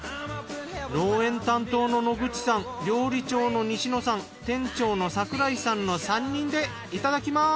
農園担当の野口さん料理長の西野さん店長の櫻井さんの３人でいただきます。